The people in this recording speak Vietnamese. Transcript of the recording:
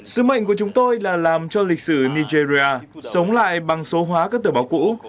sứ mệnh của chúng tôi là làm cho lịch sử nigeria sống lại bằng số hóa các tờ báo cũ